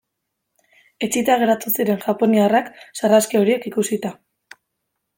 Etsita geratu ziren japoniarrak sarraski horiek ikusita.